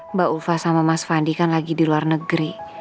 mbak uva sama mas fandi kan lagi di luar negeri